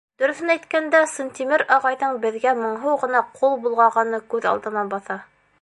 — Дөрөҫөн әйткәндә, Сынтимер ағайҙың беҙгә моңһоу ғына ҡул болғағаны күҙ алдыма баҫа.